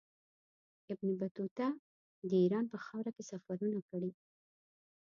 ابن بطوطه د ایران په خاوره کې سفرونه کړي.